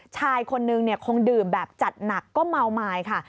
ชายคนนึงคงดื่มแบบจัดหนักก็เมาไม้ค่ะ